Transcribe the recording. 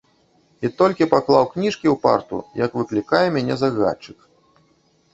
І толькі паклаў кніжкі ў парту, як выклікае мяне загадчык.